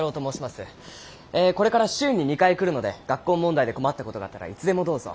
えこれから週に２回来るので学校問題で困った事があったらいつでもどうぞ。